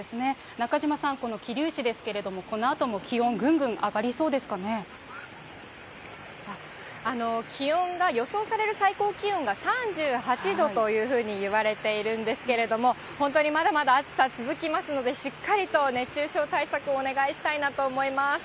中島さん、この桐生市ですけれども、このあとも気温、気温が、予想される最高気温が３８度というふうにいわれているんですけれども、本当にまだまだ暑さは続きますので、しっかりと熱中症対策をお願いしたいなと思います。